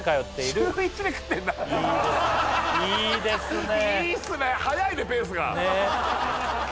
いいっすね